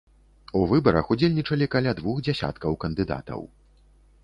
У выбарах удзельнічалі каля двух дзясяткаў кандыдатаў.